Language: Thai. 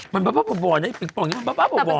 มันบ้าบ้าบ่อบ่อนนะอีกพี่ปองนี้มันบ้าบ้าบ่อบ่อน